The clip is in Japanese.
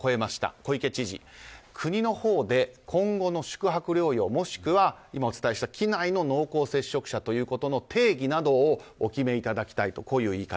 小池知事国のほうで今後の宿泊療養もしくは、今お伝えした機内の濃厚接触者ということの定義などをお決めいただきたいという言い方。